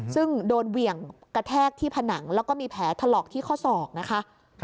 ซึ่งโดนเหวี่ยงกระแทกที่ผนังแล้วก็มีแผลถลอกที่ข้อศอกนะคะ